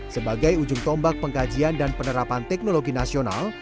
sebagai ujung tombak pengkajian dan penerapan teknologi nasional